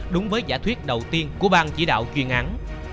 đúng với giả thuyết đầu tiên của bang chỉ đạo chuyên án